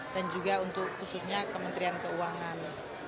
dan juga untuk khususnya kementerian keuangan